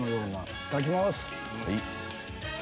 いただきます。